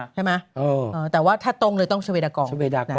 ใช่ไหมแต่ว่าถ้าตรงเลยต้องชเวดากร